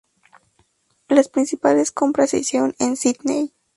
Las principales compras se hicieron en Sídney.